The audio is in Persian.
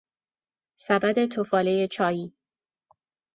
سبد تفاله چایی